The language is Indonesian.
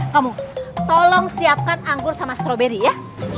kamu tolong siapkan anggur sama stroberi ya